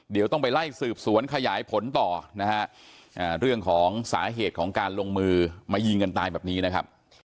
เดี๋ยวต้องไปไล่สืบสวนขยายผลต่อนะฮะเรื่องของสาเหตุของการลงมือมายิงกันตายแบบนี้นะครับ